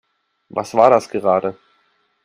Was war das gerade?